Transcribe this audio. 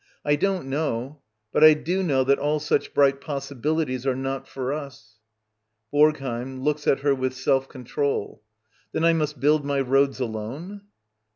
] I don't know. But I do know that all such bright possibilities are not for us. ^BoRGHEiM. [Looks at her with self control.] vTnen I must build my roads alone?